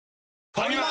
ファミマ！